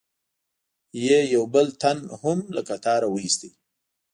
یې یو بل تن هم له قطاره و ایست.